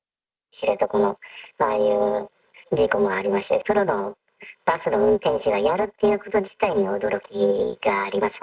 知床もああいう事故もありまして、プロのバスの運転手がやるっていうこと自体が、驚きがあります。